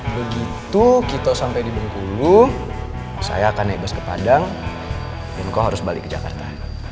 begitu kito sampai di bengkulu saya akan naik bus ke padang bengko harus balik ke jakarta